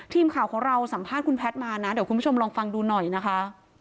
ทีมข่าวของเราสัมภาษณ์คุณแพทย์มานะเดี๋ยวคุณผู้ชมลองฟังดูหน่อยนะคะ